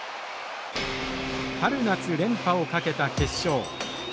春夏連覇を懸けた決勝。